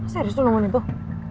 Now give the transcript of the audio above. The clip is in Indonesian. serius lo nomornya tuh